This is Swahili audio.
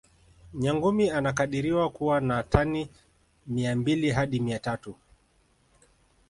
nyangumi anakadiriwa kuwa na tani mia mbili hadi mia tatu